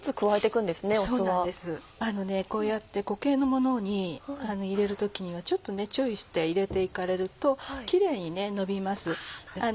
あのねこうやって固形のものに入れる時にはちょっと注意して入れて行かれるとキレイに伸びます。